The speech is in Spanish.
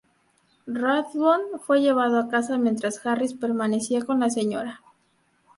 Rathbone fue llevado a casa mientras Harris permanecía con la Sra.